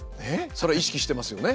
それは意識してますよね？